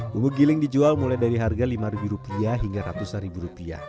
bumbu giling dijual mulai dari harga lima rupiah hingga seratus rupiah